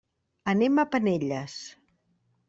Anem a Penelles.